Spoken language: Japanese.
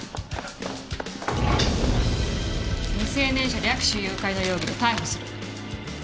未成年者略取誘拐の容疑で逮捕する。